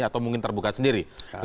atau mungkin terbuka sendiri